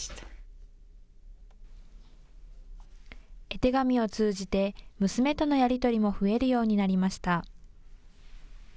絵手紙を通じて娘とのやり取りも増えるようになりました。